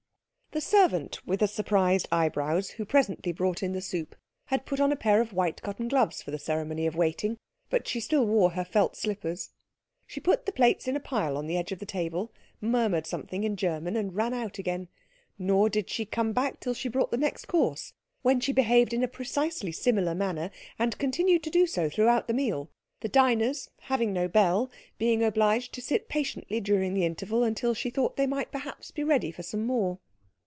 The servant with the surprised eyebrows, who presently brought in the soup, had put on a pair of white cotton gloves for the ceremony of waiting, but still wore her felt slippers. She put the plates in a pile on the edge of the table, murmured something in German, and ran out again; nor did she come back till she brought the next course, when she behaved in a precisely similar manner, and continued to do so throughout the meal; the diners, having no bell, being obliged to sit patiently during the intervals, until she thought that they might perhaps be ready for some more.